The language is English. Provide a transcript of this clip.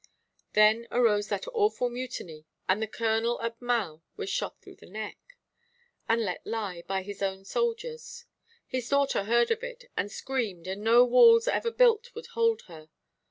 Then arose that awful mutiny, and the Colonel at Mhow was shot through the neck, and let lie, by his own soldiers. His daughter heard of it, and screamed, and no walls ever built would hold her.